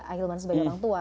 akhilman sebagai orang tua